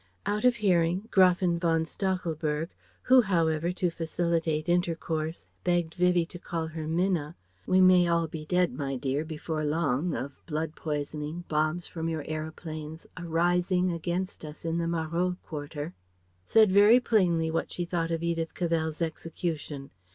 Out of hearing, Gräfin von Stachelberg who, however, to facilitate intercourse, begged Vivie to call her "Minna," "We may all be dead, my dear, before long of blood poisoning, bombs from your aeroplanes, a rising against us in the Marolles quarter " said very plainly what she thought of Edith Cavell's execution.